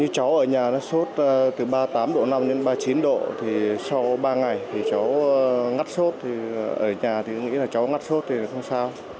từ ba mươi tám độ năm đến ba mươi chín độ thì sau ba ngày thì cháu ngắt sốt thì ở nhà thì nghĩ là cháu ngắt sốt thì không sao